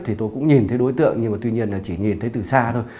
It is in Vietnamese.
thì tôi cũng nhìn thấy đối tượng nhưng mà tuy nhiên là chỉ nhìn thấy từ xa thôi